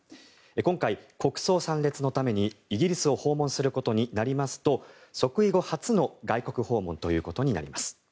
今回、国葬参列のためにイギリスを訪問することになりますと即位後初の外国訪問となります。